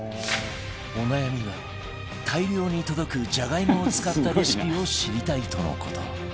お悩みは大量に届くジャガイモを使ったレシピを知りたいとの事